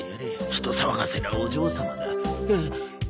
人騒がせなお嬢様だ。